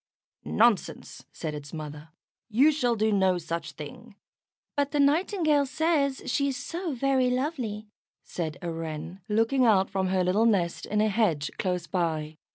"Nonsense!" said its mother. "You shall do no such thing." "But the Nightingale says she is so very lovely," said a Wren, looking out from her little nest in a hedge close by.